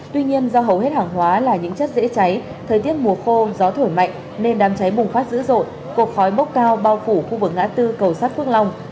tuy nhiên do hầu hết hàng hóa là những chất dễ cháy thời tiết mùa khô gió thổi mạnh nên đám cháy bùng phát dữ dội cột khói bốc cao bao phủ khu vực ngã tư cầu sát phước long